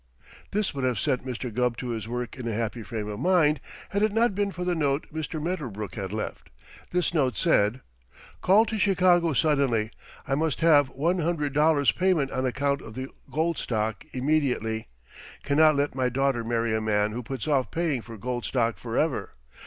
This would have sent Mr. Gubb to his work in a happy frame of mind, had it not been for the note Mr. Medderbrook had left. This note said: Called to Chicago suddenly. I must have one hundred dollars payment on account of the gold stock immediately. Cannot let my daughter marry a man who puts off paying for gold stock forever.